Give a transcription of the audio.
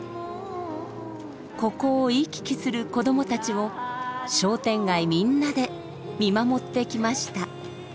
ここを行き来する子供たちを商店街みんなで見守ってきました。